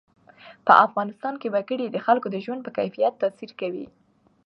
په افغانستان کې وګړي د خلکو د ژوند په کیفیت تاثیر کوي.